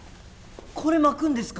これ巻くんですか！？